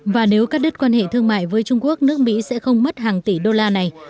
và nếu cắt đứt quan hệ thương mại với trung quốc nước mỹ sẽ không mất hàng tỷ đô la này